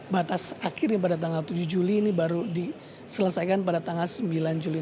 batas akhirnya pada tanggal tujuh juli ini baru diselesaikan pada tanggal sembilan juli